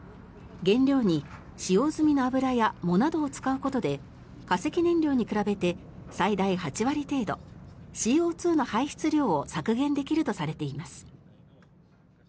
原料に使用済みの油や藻などを使うことで化石燃料に比べて最大８割程度ＣＯ２の排出量を削減できるとされています。